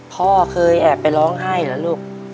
พ่อเคยแอบไปร้องไห้เหรอลูก